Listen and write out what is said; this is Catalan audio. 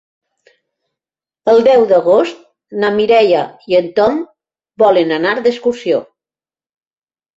El deu d'agost na Mireia i en Tom volen anar d'excursió.